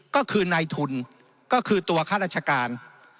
ก็คือในทุนก็คือตัวค่ารัชการ